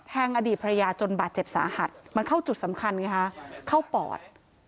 อดีตภรรยาจนบาดเจ็บสาหัสมันเข้าจุดสำคัญไงคะเข้าปอด